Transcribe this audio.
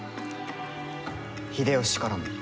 秀吉からも。